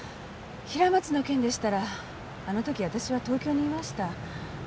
平松の件でしたらあの時私は東京にいました。